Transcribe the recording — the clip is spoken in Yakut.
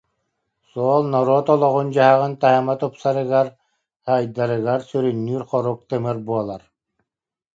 Суол норуот олоҕун-дьаһаҕын таһыма тупсарыгар, сайдарыгар сүрүннүүр хорук тымыр буолар